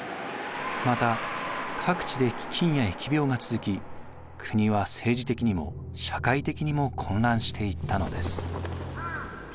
また各地で飢饉や疫病が続き国は政治的にも社会的にも混乱していったのです。